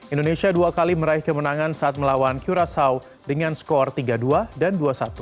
indonesia dua kali meraih kemenangan saat melawan curasao dengan skor tiga dua dan dua satu